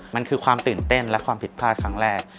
มันคือความตื่นเต้นและความผิดพลาดครั้งแรก